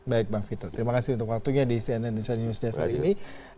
baik bang fitur terima kasih untuk waktunya di cnn newsnya saat ini